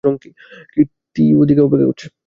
কীর্তি ওদিকে অপেক্ষা করছে।